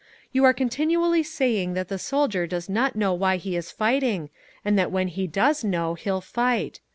"You are continually saying that the soldier does not know why he is fighting, and that when he does know, he'll fight….